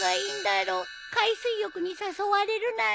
海水浴に誘われるなんて。